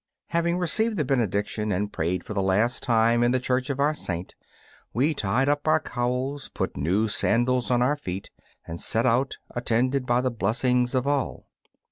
Having received the benediction, and prayed for the last time in the church of our Saint, we tied up our cowls, put new sandals on our feet, and set out, attended by the blessings of all.